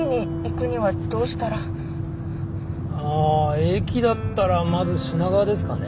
駅だったらまず品川ですかね。